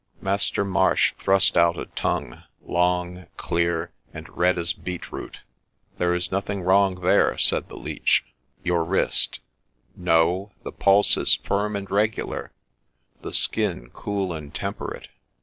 Master Marsh thrust out a tongue long, clear, and red as beet root. ' There is nothing wrong there,' said the Leech. ' Your wrist :— no ;— the pulse is firm and regular, the skin cool and temperate.